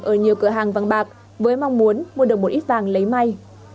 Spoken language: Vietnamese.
ở nhiều cửa hàng vàng bạc với mong muốn mua được một ít vàng lấy may